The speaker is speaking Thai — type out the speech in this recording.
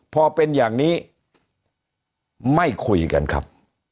พอเป็นอย่างนี้ไม่คุยกันครับ